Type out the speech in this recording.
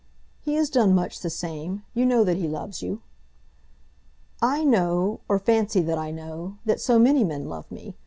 "He has done much the same. You know that he loves you." "I know, or fancy that I know, that so many men love me!